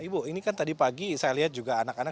belajar bilas internet peralatan